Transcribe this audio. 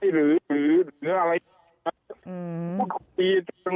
หรืออะไร